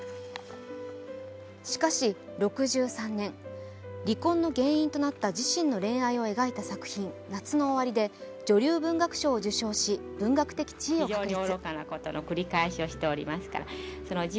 しかし６３年、離婚の原因となった自身の恋愛を描いた作品「夏の終り」で、女流文学賞を受賞し文学的地位を確立。